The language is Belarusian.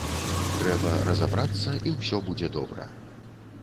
Трэба разабрацца, і ўсё будзе добра.